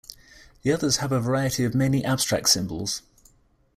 The others have a variety of mainly abstract symbols.